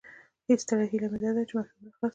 ستره هیله مې داده چې مکتبونه خلاص شي